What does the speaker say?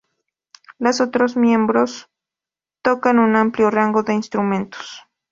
Las otras miembros tocan un amplio rango de instrumentos.